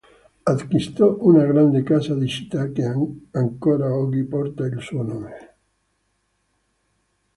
Acquistò una grande casa di città che ancora oggi porta il suo nome.